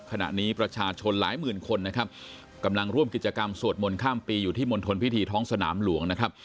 ขณะนี้ประชาชนหลายหมื่นคนนะครับกำลังร่วมกิจกรรมสวดมนต์ข้ามปีอยู่ที่มณฑลพิธีท้องสนามหลวงนะครับ